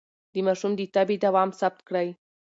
د ماشوم د تبه دوام ثبت کړئ.